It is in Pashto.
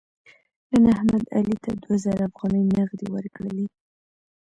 نن احمد علي ته دوه زره افغانۍ نغدې ورکړلې.